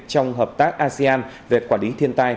trong hợp tác asean về quản lý thiên tai